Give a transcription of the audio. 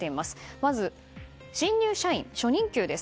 まず、新入社員の初任給です。